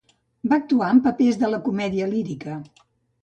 Va actuar en papers de la comèdia lírica.